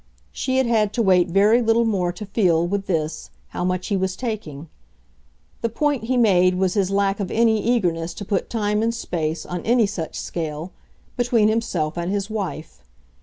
She had had to wait very little more to feel, with this, how much he was taking. The point he made was his lack of any eagerness to put time and space, on any such scale, between himself and his wife.